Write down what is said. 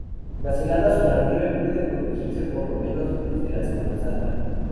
Las heladas o la nieve pueden producirse por lo menos desde la Semana Santa.